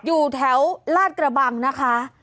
อยู่แถวลาดกระบังนะคะ